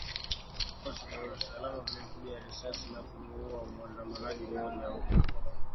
Vikosi vya usalama vilimpiga risasi na kumuuwa muandamanaji mmoja huko